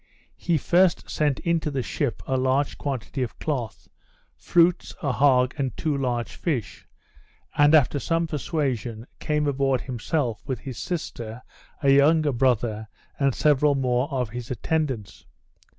He first sent into the ship a large quantity of cloth, fruits, a hog, and two large fish; and, after some persuasion, came aboard himself, with his sister, a younger brother, and several more of his attendants.